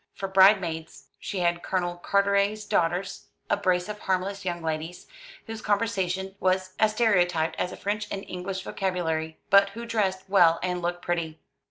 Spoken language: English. For bride maids she had Colonel Carteret's daughters, a brace of harmless young ladies, whose conversation was as stereotyped as a French and English vocabulary, but who dressed well and looked pretty.